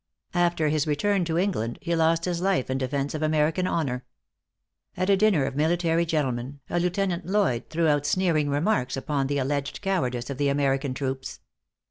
After his return to England, he lost his life in defence of American honor. At a dinner of military gentlemen, a Lieutenant Lloyd threw out sneering remarks upon the alleged cowardice of the American troops.